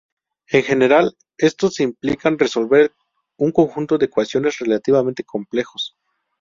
En general, estos implican resolver un conjunto de ecuaciones relativamente complejos.